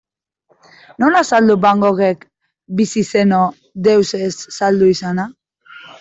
Nola azaldu Van Goghek, bizi zeno, deus ez saldu izana?